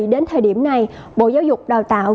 đến thời điểm này bộ giáo dục đào tạo